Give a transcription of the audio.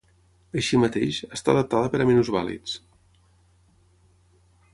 Així mateix, està adaptada per a minusvàlids.